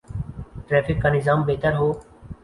Traffic کا نظام بہتر ہو۔